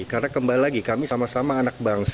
karena kembali lagi kami sama sama anak bangsa